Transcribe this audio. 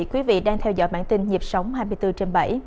quý vị đang theo dõi bản tin nhịp sống hai mươi bốn trên bảy